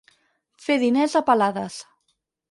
Fer diners a palades.